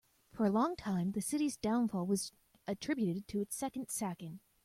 For a long time, the city's downfall was attributed to its second sacking.